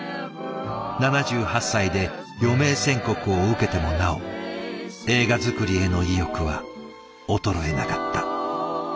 ７８歳で余命宣告を受けてもなお映画作りへの意欲は衰えなかった。